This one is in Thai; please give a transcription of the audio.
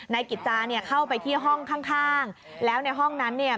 นายกิจจาเนี่ยเข้าไปที่ห้องข้างข้างแล้วในห้องนั้นเนี่ย